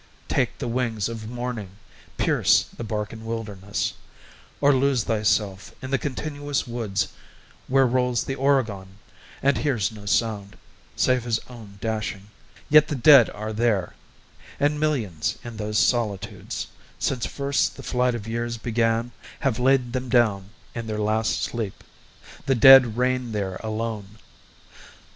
Take the wings Of morning, pierce the Barcan wilderness, Or lose thyself in the continuous woods Where rolls the Oregon, and hears no sound, Save his own dashing yet the dead are there; And millions in those solitudes, since first The flight of years began, have laid them down In their last sleep the dead reign there alone.